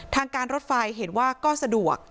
ทางการรถไฟเห็นว่าก็สะดวก